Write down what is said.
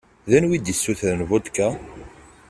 D anwa i d-isutren vodka?